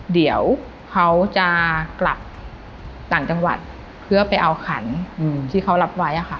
เดี๋ยวเขาจะกลับต่างจังหวัดเพื่อไปเอาขันที่เขารับไว้ค่ะ